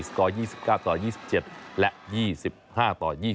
กอร์๒๙ต่อ๒๗และ๒๕ต่อ๒๒